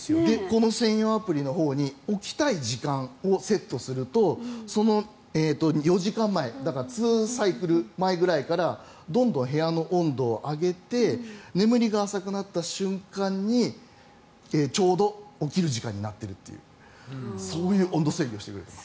この専用アプリのほうに起きたい時間をセットするとその４時間前だから２サイクル前ぐらいからどんどん部屋の温度を上げて眠りが浅くなった瞬間にちょうど起きる時間になっているというそういう温度制御をしてくれる。